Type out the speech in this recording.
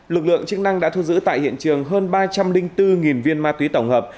lực lượng chức năng đã thu giữ tại hiện trường hơn ba trăm linh bốn viên ma túy tổng hợp